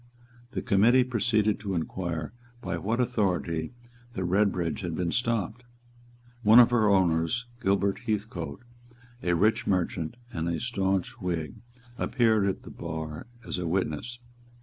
The Committee proceeded to inquire by what authority the Redbridge had been stopped. One of her owners, Gilbert Heathcote, a rich merchant and a stanch Whig, appeared at the bar as a witness.